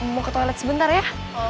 mau ke toilet sebentar ya